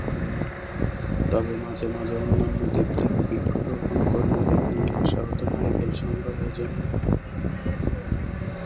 তবে মাঝে মাঝে অন্যান্য দ্বীপ থেকে বৃক্ষরোপণ কর্মীদের নিয়ে আসা হতো নারিকেল সংগ্রহের জন্য।